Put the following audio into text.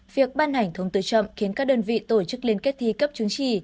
việc ban hành thông tư chậm khiến các đơn vị tổ chức liên kết thi cấp chứng chỉ